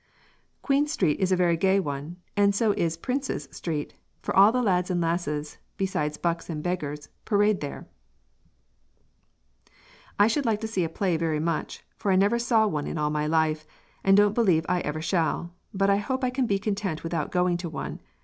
"Queen Street is a very gay one, and so is Princes Street, for all the lads and lasses, besides bucks and beggars, parade there" "I should like to see a play very much, for I never saw one in all my life, and don't believe I ever shall; but I hope I can be content without going to one.